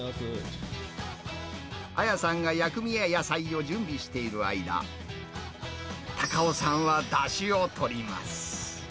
彩さんが薬味や野菜を準備している間、太夫さんは、だしをとります。